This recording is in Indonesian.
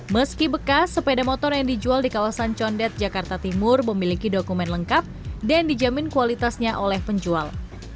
meski bekas sepeda motor yang dijual di kawasan condet jakarta timur memiliki dokumen lengkap dan dijamin kualitasnya oleh penjual